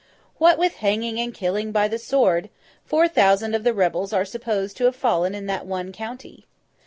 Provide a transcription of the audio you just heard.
What with hanging and killing by the sword, four thousand of the rebels are supposed to have fallen in that one county.